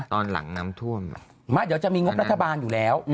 ตอนหลังน้ำท่วมไม่เดี๋ยวจะมีงบรัฐบาลอยู่แล้ว